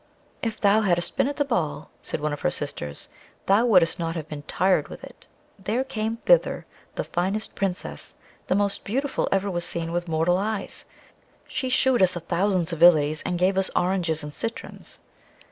"If thou hadst been at the ball," said one of her sisters, "thou wouldst not have been tired with it; there came thither the finest Princess, the most beautiful ever was seen with mortal eyes; she shewed us a thousand civilities, and gave us oranges and citrons."